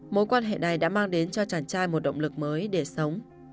mối quan hệ này đã mang đến cho chàng trai một động lực mới để sống